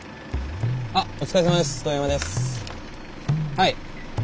はい。